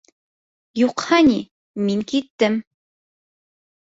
Юҡһа, ни, мин киттем.